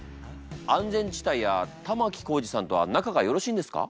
安全地帯や玉置浩二さんとは仲がよろしいんですか？